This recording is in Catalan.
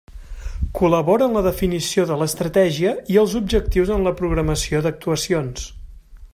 Col·labora en la definició de l'estratègia i els objectius en la programació d'actuacions.